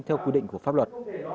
theo quy định của pháp luật